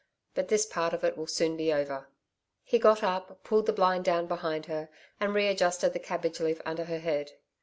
'But this part of it will soon be over.' He got up, pulled the blind down behind her, and readjusted the cabbage leaf under her head.